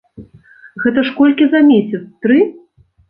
Гэта ж колькі за месяц, тры?